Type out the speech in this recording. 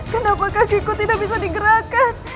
kenapa kak geku tidak bisa digerakkan